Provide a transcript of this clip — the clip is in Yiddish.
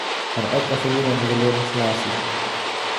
פאַר עטליכע יאָר האָט זי געלערנט פלייסיג